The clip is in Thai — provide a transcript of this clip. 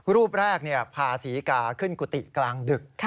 รูปแรกพาศรีกาขึ้นกุฏิกลางดึก